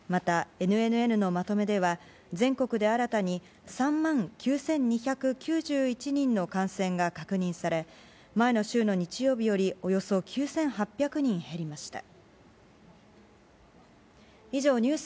また、ＮＮＮのまとめでは、全国で新たに３万９２９１人の感染が確認され、前の週の日曜日よりおよそ９８００人減りました。